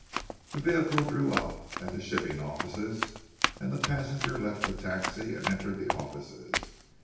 The vehicle drew up at the shipping offices, and the passenger left the taxi and entered the offices.